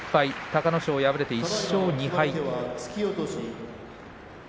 隆の勝敗れて１勝２敗。